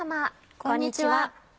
こんにちは。